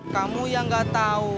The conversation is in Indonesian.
kamu yang gak tau